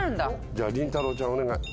じゃありんたろうちゃんお願い。